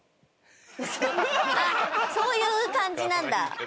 そういう感じなんだ。